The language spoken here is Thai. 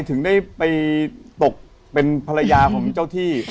ถึงได้ไปตกเป็นภรรยาของเจ้าที่